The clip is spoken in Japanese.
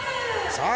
さあ